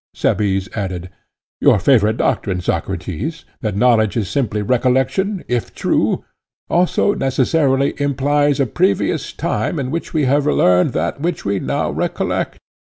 Cebes added: Your favorite doctrine, Socrates, that knowledge is simply recollection, if true, also necessarily implies a previous time in which we have learned that which we now recollect.